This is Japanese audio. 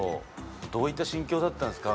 どういった心境だったんですか？